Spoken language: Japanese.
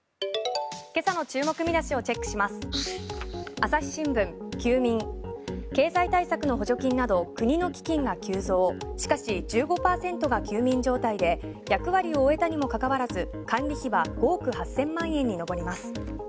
朝日新聞、休眠経済対策の補助金など国の基金が急増しかし、１５％が休眠状態で役割を終えたにもかかわらず管理費は５億８０００万円に上ります。